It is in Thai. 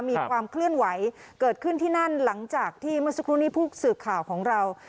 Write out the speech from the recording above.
มีความเคลื่อนไหวเกิดขึ้นที่นั่นหลังจากที่เมื่อสักครู่นี้ผู้สื่อข่าวของเรา